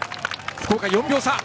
福岡、４秒差。